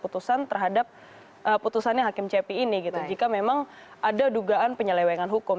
putusan terhadap putusannya hakim cepi ini gitu jika memang ada dugaan penyelewengan hukum